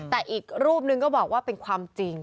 แต่อีกรูปนึงก็บอกว่าเป็นความจริง